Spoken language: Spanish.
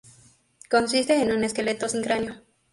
Consiste en un esqueleto sin cráneo.